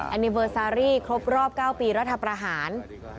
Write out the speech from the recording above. อันนี้เบอร์ซารี่ครบรอบ๙ปีรัฐประหาร